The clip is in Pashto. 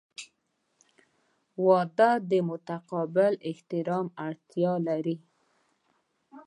• واده د متقابل احترام اړتیا لري.